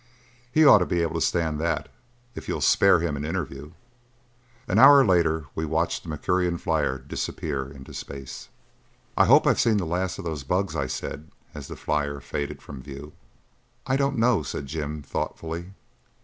"He ought to be able to stand that, if you'll spare him an interview." An hour later we watched the Mercurian flyer disappear into space. "I hope I've seen the last of those bugs," I said as the flyer faded from view. "I don't know," said Jim thoughtfully.